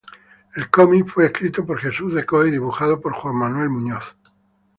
El cómic fue escrito por Jesús de Cos y dibujado por Juan Manuel Muñoz.